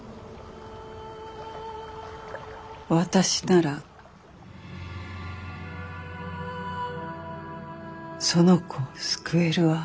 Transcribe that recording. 私ならその子を救えるわ。